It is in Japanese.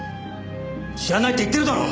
知らないって言ってるだろ！